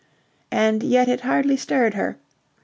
And yet it hardly stirred her.